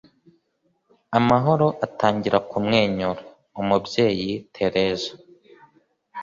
amahoro atangira kumwenyura. - umubyeyi tereza